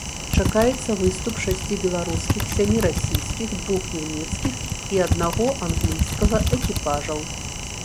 Чакаецца выступ шасці беларускіх, сямі расійскіх, двух нямецкіх і аднаго англійскага экіпажаў.